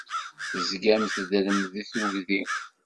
Tezgam teddrem deg tuggdi.